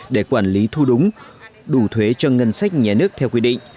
để quản lý thu đúng đủ thuế cho ngân sách nhà nước theo quy định